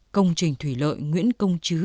công trình thủy lợi nguyễn công chứ